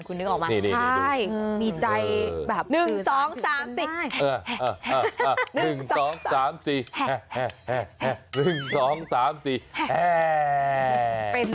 คุณนึกออกมั้ย